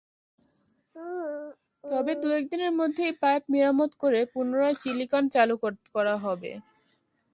তবে দু-এক দিনের মধ্যেই পাইপ মেরামত করে পুনরায় চিনিকল চালু করা হবে।